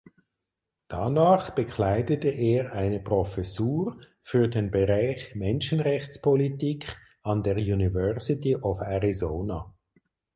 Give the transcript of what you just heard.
Danach bekleidete er eine Professur für den Bereich Menschenrechtspolitik an der University of Arizona.